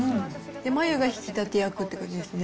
マヨが引き立て役って感じですね。